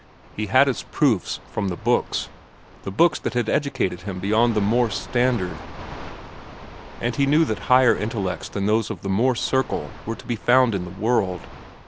He had his proofs from the books, the books that had educated him beyond the Morse standard. And he knew that higher intellects than those of the Morse circle were to be found in the world.